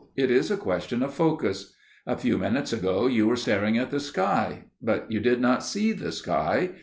It is a question of focus. A few minutes ago you were staring at the sky, but you did not see the sky.